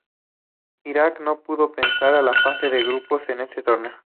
Irak no pudo pasar de la fase de grupos en ese torneo.